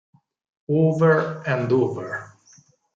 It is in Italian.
Over and Over